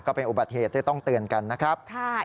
ก็เป็นอุบัติเหตุที่ต้องเตือนกันนะครับ